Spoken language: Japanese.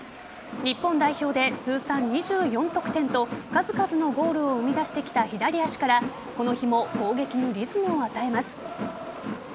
日本代表で通算２４得点と数々のゴールを生み出してきた左足からこの日も攻撃にリズムを与えます。